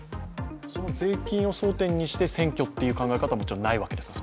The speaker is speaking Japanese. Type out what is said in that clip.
その税金を焦点にして選挙という考え方はないわけですか？